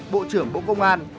bộ trưởng bộ công an